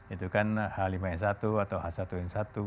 atau h lima n satu atau h satu n satu